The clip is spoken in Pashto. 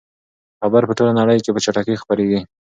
خبر په ټوله نړۍ کې په چټکۍ خپریږي.